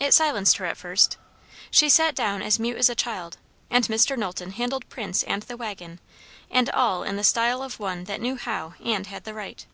It silenced her at first. She sat down as mute as a child; and Mr. Knowlton handled Prince and the waggon and all in the style of one that knew how and had the right.